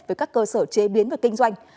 với các cơ sở chế biến và kinh doanh